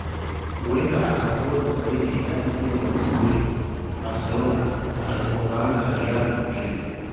Huenda akaongeza zaidi idadi hiyo ya magoli Barcelona watakapovaana na Real Madrid